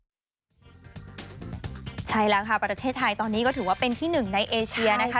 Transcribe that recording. ใช่แล้วค่ะประเทศไทยตอนนี้ก็ถือว่าเป็นที่หนึ่งในเอเชียนะคะ